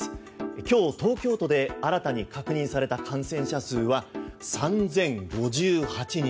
今日、東京都で新たに確認された感染者数は３０５８人。